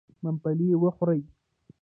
ممپلي و خورئ.